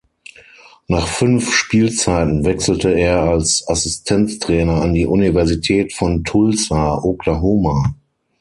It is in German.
Nach fünf Spielzeiten wechselte er als Assistenztrainer an die Universität von Tulsa, Oklahoma.